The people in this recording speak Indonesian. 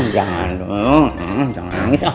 jangan dong jangan nangis